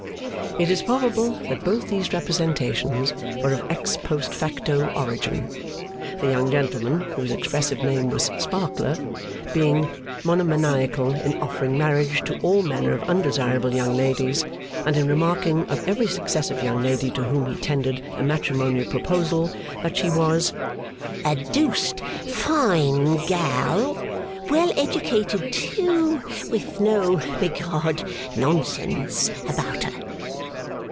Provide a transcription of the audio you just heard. It is probable that both these representations were of ex post facto origin; the young gentleman (whose expressive name was Sparkler) being monomaniacal in offering marriage to all manner of undesirable young ladies, and in remarking of every successive young lady to whom he tendered a matrimonial proposal that she was 'a doosed fine gal well educated too with no biggodd nonsense about her.